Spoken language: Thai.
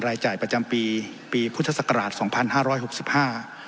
รายจ่ายประจำปีปีพุทธศักราชสองพันห้าร้อยหกสิบห้า